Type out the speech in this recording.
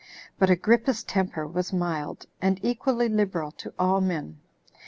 But Agrippa's temper was mild, and equally liberal to all men.